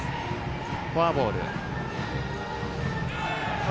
フォアボール。